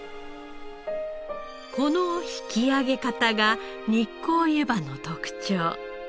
この引き上げ方が日光ゆばの特徴。